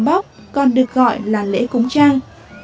từ đây lễ áo ấm bóc còn được gọi là lễ cống trăng